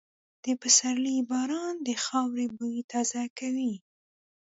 د پسرلي باران د خاورې بوی تازه کوي.